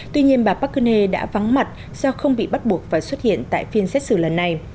tuy nhiên bà park geun hye đã vắng mặt do không bị bắt buộc phải xuất hiện tại phiên xét xử lần này